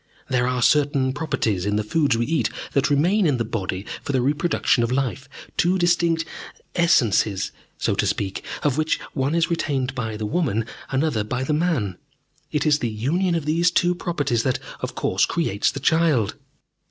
There are certain properties in the foods we eat that remain in the body for the reproduction of life, two distinct Essences, so to speak, of which one is retained by the woman, another by the man. It is the union of these two properties that, of course, creates the child.